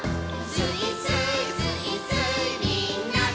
「スイスーイスイスーイみんなで」